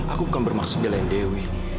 aku bukan bermaksud belain dewi